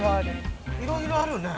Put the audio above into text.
いろいろあるね。